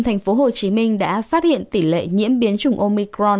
thành phố hồ chí minh đã phát hiện tỷ lệ nhiễm biến trùng omicron